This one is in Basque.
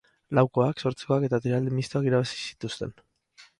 Laukoak, zortzikoak eta tiraldi mistoak irabazi zituzten.